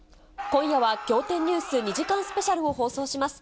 今夜は、仰天ニュース２時間スペシャルを放送します。